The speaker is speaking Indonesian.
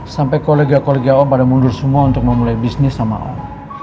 sampai kolega kolega om pada mundur semua untuk memulai bisnis sama om